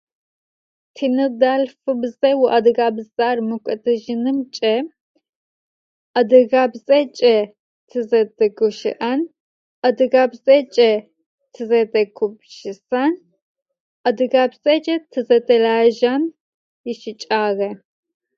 Тиныдэлъфыбзэ уадыгабзэр мыкӏодыжьынымкӏэ адыгабзэкӏэ тызэдэгущыӏэн, адыгабзэкӏэ тызэдэгупшысэн, адыгабзэкӏэ тызэдэлажьэн ищыкӏагъэ.